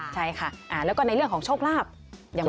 ใช่ค่ะแล้วก็ในเรื่องของโชคลาภ